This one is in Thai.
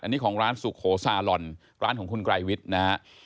อันนี้ของร้านสุโขซาลอนร้านของคุณไกรวิทย์นะฮะ